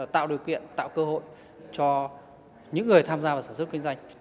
tạo điều kiện tạo cơ hội cho những người tham gia vào sản xuất kinh doanh